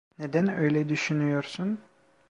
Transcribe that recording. Neden öyle düşünüyorsun?